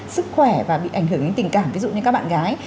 sức khỏe và bị ảnh hưởng đến tình cảm ví dụ như các bạn gái